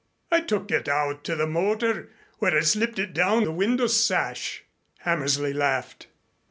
"I took it out to the motor, where I slipped it down the window sash," Hammersley laughed.